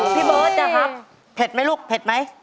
พี่เบิร์ตนะครับเผ็ดไหมลูกเผ็ดไหม